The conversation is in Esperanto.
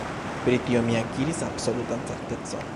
Pri tio mi akiris absolutan certecon.